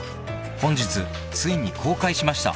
［本日ついに公開しました］